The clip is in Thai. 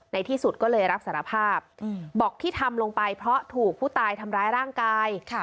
ในที่สุดก็เลยรับสารภาพบอกที่ทำลงไปเพราะถูกผู้ตายทำร้ายร่างกาย